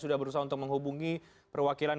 sudah berusaha untuk menghubungi perwakilan